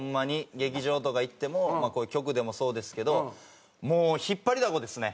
劇場とか行ってもこういう局でもそうですけどもう引っ張りだこですね。